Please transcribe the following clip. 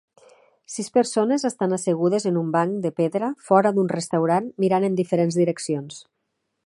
Sis persones estan assegudes en un banc de pedra fora d'un restaurant mirant en diferents direccions.